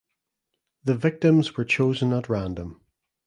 The victims were chosen at random.